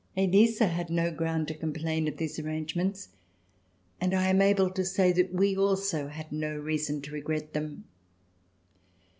Elisa had no ground to complain of these arrangements, and I am able to say that we also had no reason to regret them.